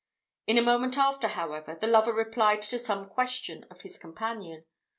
In a moment after, however, the lover replied to some question of his companion.